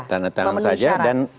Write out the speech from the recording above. tanda tangan saja dan